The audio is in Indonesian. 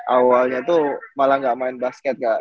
awalnya tuh malah gak main basket kak